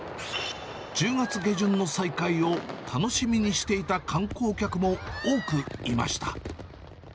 １０月下旬の再開を楽しみにしていた観光客も多くいました。